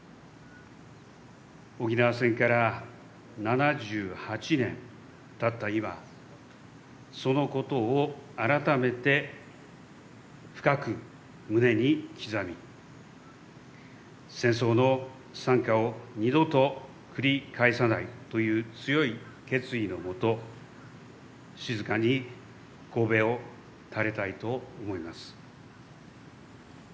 沖縄戦から７８年経った今そのことを改めて深く胸に刻み戦争の惨禍を二度と繰り返さないという強い決意の下静かに頭を垂れたいと思います。